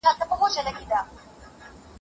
د دلارام نوم د هغي هندۍ ښځې پر نامه ایښودل سوی دی